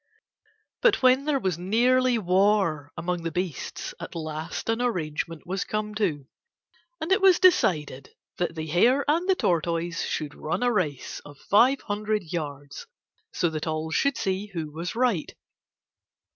But when there was nearly war among the beasts, at last an arrangement was come to and it was decided that the Hare and the Tortoise should run a race of five hundred yards so that all should see who was right.